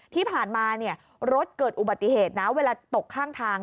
ที่ผ่านมารถเกิดอุบัติเหตุนะเวลาตกข้างทาง